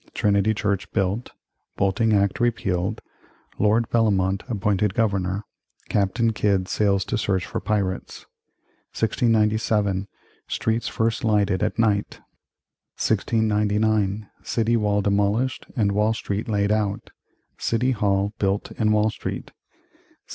Trinity Church built Bolting Act repealed Lord Bellomont appointed Governor Captain Kidd sails to search for pirates 1697. Streets first lighted at night 1699. City wall demolished and Wall Street laid out City Hall built in Wall Street 1700.